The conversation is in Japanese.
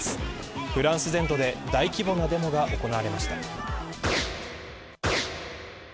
フランス全土で大規模なデモが行われました。